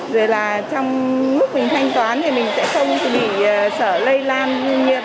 rồi là trong lúc mình thanh toán thì mình sẽ không bị sợ lây lan nhiệt